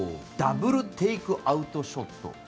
ダブル・テイクアウトショット。